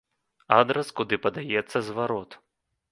Адрас, куды падаецца зварот.